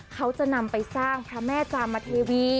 เขาจะนำไปสร้างพระแม่จามเทวี